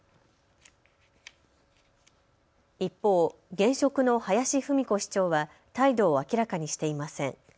一方、現職の林文子市長は態度を明らかにしていません。